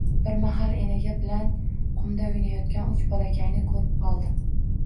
Bir mahal enaga bilan qumda o`ynayotgan uch bolakayni ko`rib qoldim